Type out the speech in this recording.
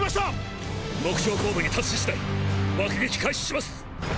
目標高度に達し次第爆撃開始します！！